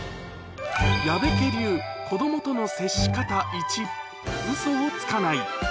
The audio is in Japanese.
矢部家流子どもとの接し方１、うそをつかない。